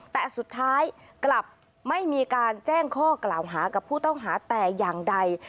แต่สุดท้ายกลับไม่มีการแจ้งข้อกล่าวหากับผู้ต้องหาแต่อย่างใด